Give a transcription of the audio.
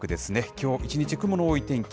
きょう一日、雲の多い天気。